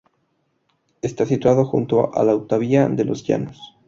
Está situado junto a la autovía de Los Llanos.